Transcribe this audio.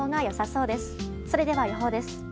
それでは予報です。